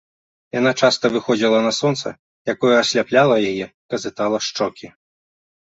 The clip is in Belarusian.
Яна часта выходзіла на сонца, якое асляпляла яе, казытала шчокі.